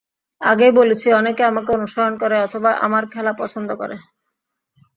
আগেই বলেছি, অনেকে আমাকে অনুসরণ করে অথবা আমার খেলা পছন্দ করে।